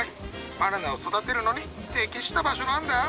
バナナを育てるのに適した場所なんだ！